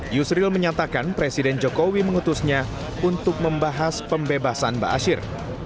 yusril menyatakan presiden jokowi mengutusnya untuk membahas pembebasan ba'asyir